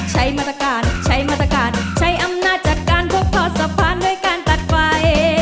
ใช้มาตรการใช้มาตรการใช้อำนาจจากการพกท่อสะพานด้วยการตัดไฟ